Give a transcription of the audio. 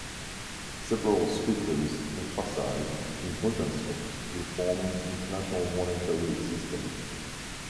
Several speakers emphasized the importance of reforming the international monetary system.